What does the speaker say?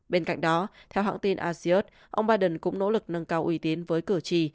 bên cạnh đó theo hãng tin asiot ông biden cũng nỗ lực nâng cao uy tín với cử tri